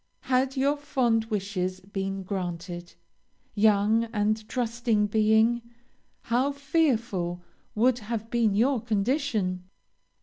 Had your fond wishes been granted, young and trusting being, how fearful would have been your condition!